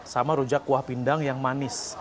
sama rujak kuah pindang yang manis